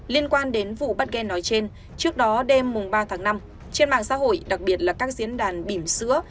liên quan đến vụ bắt ghe nói trên trước đó đêm ba tháng năm trên mạng xã hội đặc biệt là các diễn đàn bỉm sữa